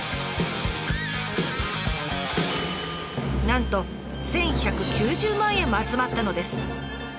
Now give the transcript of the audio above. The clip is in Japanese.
なんと１，１９０万円も集まったのです。